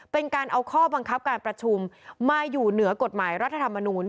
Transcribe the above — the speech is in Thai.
เป็นการเอาข้อบังคับการประชุมมาอยู่เหนือกฎหมายรัฐธรรมนูล